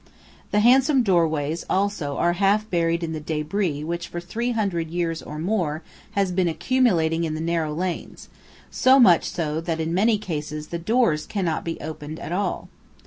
The handsome doorways also are often half buried in the débris which for three hundred years or more has been accumulating in the narrow lanes, so much so that in many cases the doors cannot be opened at all.